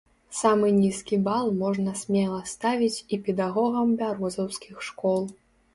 Самы нізкі бал можна смела ставіць і педагогам бярозаўскіх школ.